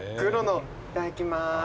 いただきます。